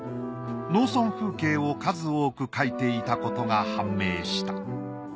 農村風景を数多く描いていたことが判明した。